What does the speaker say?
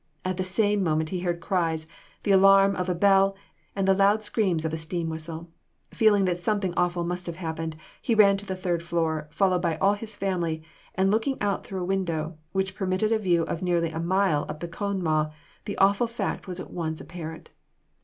At the same moment he heard cries, the alarm of a bell, and the loud screams of a steam whistle. Feeling that something awful must have happened, he ran to the third floor, followed by all his family, and looking out through a window, which permitted a view of nearly a mile up the Conemaugh, the awful fact was at once apparent.